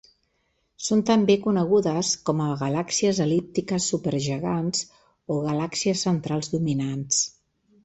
Són també conegudes com a galàxies el·líptiques supergegants o Galàxies centrals dominants.